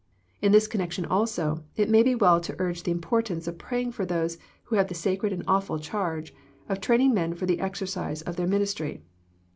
In this connection also, it may be well to urge the importance of pray ing for those who have the sacred and awful charge of training men for the exercise of their ministry.